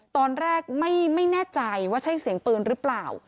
ตอนแรกไม่แน่ใจว่าใช่เสียงปืนหรือเปล่า